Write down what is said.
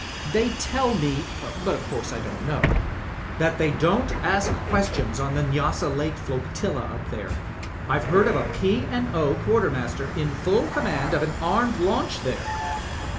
They tell me, but o' course I don't know, that they don't ask questions on the Nyassa Lake Flotilla up there. I've heard of a P. and O. quartermaster in full conmiand of an armed launch there."